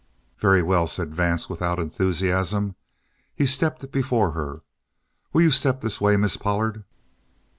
"Very well," said Vance, without enthusiasm. He stepped before her. "Will you step this way, Miss Pollard?"